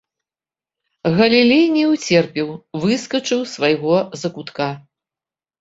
Галілей не ўцерпеў, выскачыў з свайго закутка.